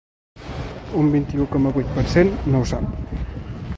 Un vint-i-u coma vuit per cent no ho sap.